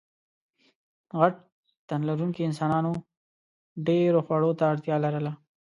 غټ تنلرونکو انسانانو ډېرو خوړو ته اړتیا لرله.